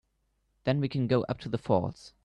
Then we can go up to the falls.